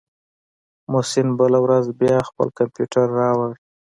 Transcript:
محسن بله ورځ بيا خپل کمپيوټر راوړ.